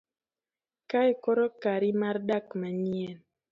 kae koro kari mar dak manyien